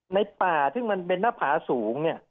ในป่าซึ่งมันเป็นหน้าผาสูงเนี่ย